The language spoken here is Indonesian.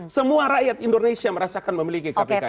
semua rakyat indonesia merasakan memiliki kpk